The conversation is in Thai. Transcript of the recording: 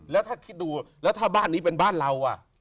แล้วถ้าคิดดูแล้วถ้าบ้านนี้เป็นบ้านเรา